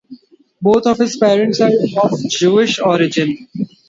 Both of his parents are of Jewish origin.